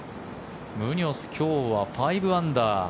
ムニョス、今日は５アンダー。